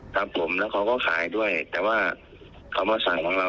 ครับผมแล้วเขาก็ขายด้วยแต่ว่าเขามาสั่งของเรา